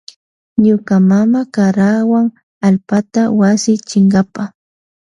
Ñuka mama karawan allpata wasi chinkapa.